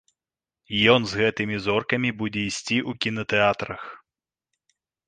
Ён з гэтымі зоркамі будзе ісці ў кінатэатрах.